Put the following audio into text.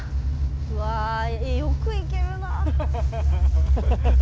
うわあよく行けるな。